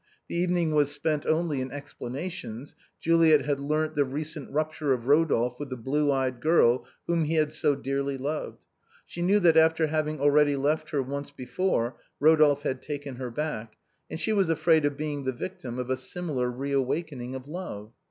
The evening was spent only in explanations. Juliet had learned the recent rupture of Eodolphe with the blue eyed girl whom he had so dearly loved ; she knew that after having already left her once before Eodolphe had taken her back, and she was afraid of being the victim of a similar re awakening of love.